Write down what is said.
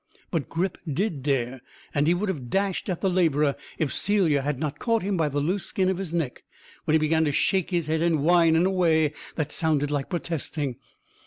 But Grip did dare, and he would have dashed at the labourer if Celia had not caught him by the loose skin of his neck, when he began to shake his head and whine in a way that sounded like protesting.